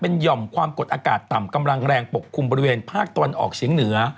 หย่อมความกดอากาศต่ำกำลังแรงปกคลุมบริเวณภาคตะวันออกเฉียงเหนือ